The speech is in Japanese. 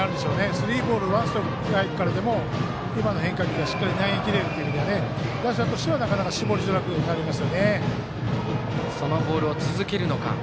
スリーボールワンストライクからでも今の変化球は、しっかり投げきれるという意味では打者としてはなかなか絞りづらくなります。